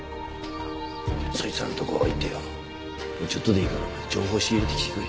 そいつらのところ行ってよちょっとでいいから情報仕入れてきてくれ。